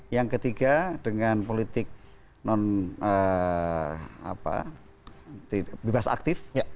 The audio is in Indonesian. yang ketiga dengan politik bebas aktif